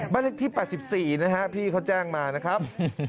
บ้านเลขที่๘๔นะครับพี่เขาแจ้งมานะครับ